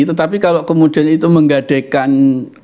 tetapi kalau kemudian itu menggadekan katanya moral